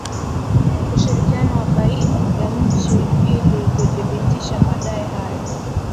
ushirikiano wa baina ya nchi ili kuthibitisha madai hayo